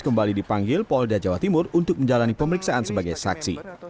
kembali dipanggil polda jawa timur untuk menjalani pemeriksaan sebagai saksi